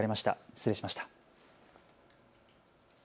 失礼しました。